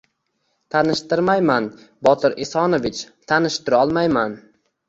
— Tanishtirmayman, Botir Esonovich, tanishti-rolmayman.